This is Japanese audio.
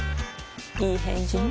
いい返事ね